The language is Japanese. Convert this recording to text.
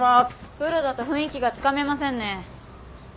プロだと雰囲気がつかめませんね。